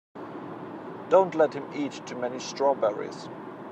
Don't let him eat too many strawberries.